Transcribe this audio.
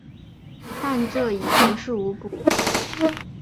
但这已于事无补。